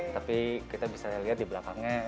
tapi kita bisa lihat di belakangnya